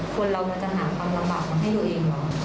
คนเรามันจะหาความลำบากให้ตัวเองเหรอ